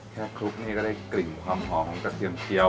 คลุกนี่ก็ได้กลิ่นความหอมของกระเทียมเจียว